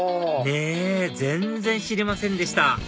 ねぇ全然知りませんでした